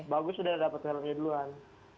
bagus sudah dapat helmnya duluan